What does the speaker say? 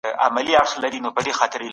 ښه فکر ستاسو څخه یو پوه انسان جوړوي.